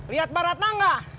liat baratna gak